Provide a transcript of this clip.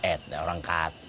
eh orang kt